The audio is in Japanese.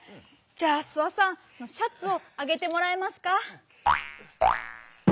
じゃあスワさんシャツを上げてもらえますか？